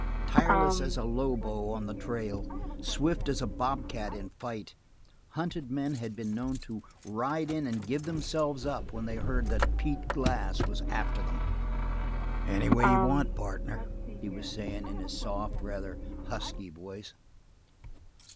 Tireless as a lobo on the trail, swift as a bobcat in fight, hunted men had been known to ride in and give themselves up when they heard that Pete Glass was after them. "Anyway you want, partner," he was saying, in his soft, rather husky voice.